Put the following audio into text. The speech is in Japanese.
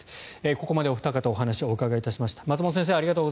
ここまでお二方にお話をお伺いしました。